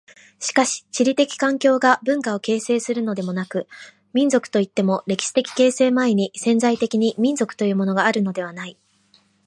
しかし地理的環境が文化を形成するのでもなく、民族といっても歴史的形成前に潜在的に民族というものがあるのではない。